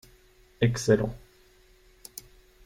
Excellent.